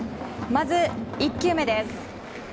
まず１球目です。